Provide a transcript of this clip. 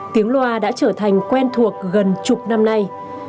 tiếng loa đã trở thành quen thuộc gần chục năm nay